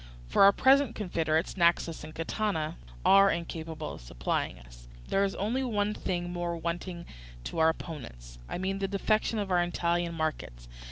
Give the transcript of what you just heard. For our present confederates, Naxos and Catana, are incapable of supplying us. There is only one thing more wanting to our opponents, I mean the defection of our Italian markets.